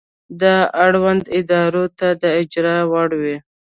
دا اړوندو ادارو ته د اجرا وړ وي.